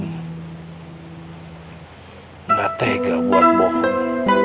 tidak tega buat bohong